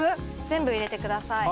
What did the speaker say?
全部入れてください。